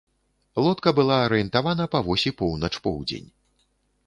Лодка была арыентавана па восі поўнач-поўдзень.